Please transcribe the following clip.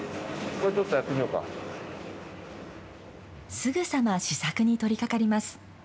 すぐさま試作に取りかかります。